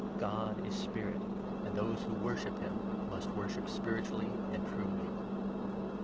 God is Spirit ; and those who worship him 24 must worship spiritually and truly."